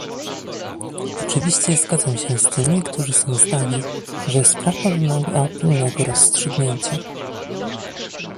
Oczywiście zgadzam się z tymi, którzy są zdania, że sprawa wymaga pilnego rozstrzygnięcia